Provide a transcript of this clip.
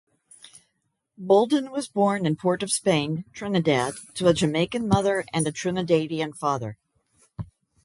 Boldon was born in Port-of-Spain, Trinidad to a Jamaican mother and Trinidadian father.